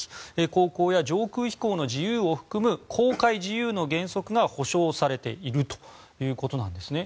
航行や上空飛行の自由を含む公海自由の原則が保障されているということなんですね。